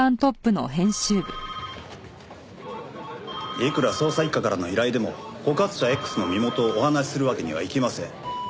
いくら捜査一課からの依頼でも告発者Ｘの身元をお話しするわけにはいきません。